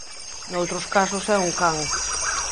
Noutros casos é un can.